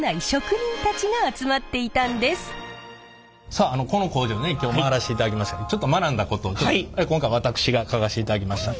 さあこの工場ね今日回らしていただきましたけどちょっと学んだことを今回私が書かせていただきました。